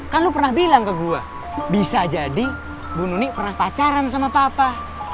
kan lo pernah bilang ke gue bisa jadi bununi pernah pacaran sama papa